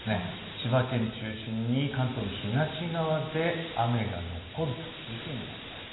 千葉県を中心に関東の東側で雨が残ると見られます。